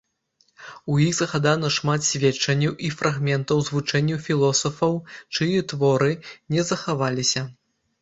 У іх згадана шмат сведчанняў і фрагментаў з вучэнняў філосафаў, чые творы не захаваліся.